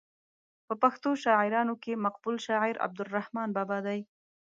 په پښتو شاعرانو کې مقبول شاعر عبدالرحمان بابا دی.